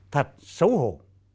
thật xấu hổ